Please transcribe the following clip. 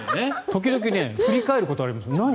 時々振り返ることあります。